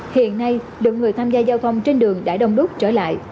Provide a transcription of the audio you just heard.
hiện nay lượng người tham gia giao thông trên đường đã đông đúc trở lại